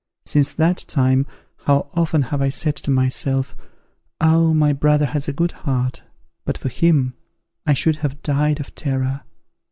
Since that time how often have I said to myself, 'Ah, my brother has a good heart; but for him, I should have died of terror.'